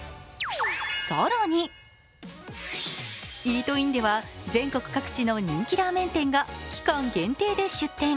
更に、イートインでは全国各地の人気ラーメン店が期間限定で出店。